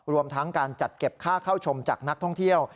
รวมทั้งการจัดเก็บค่าเข้าชมจากนักท่องเที่ยว